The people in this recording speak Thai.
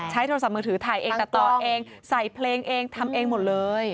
โทรศัพท์มือถือถ่ายเองตัดต่อเองใส่เพลงเองทำเองหมดเลย